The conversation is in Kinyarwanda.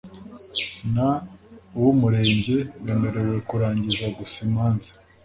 n uw Umurenge bemerewe kurangiza gusa imanza